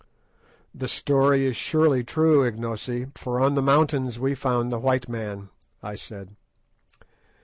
"The story is surely true, Ignosi, for on the mountains we found the white man," I said.